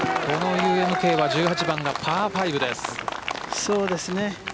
このＵＭＫは１８番がパー５です。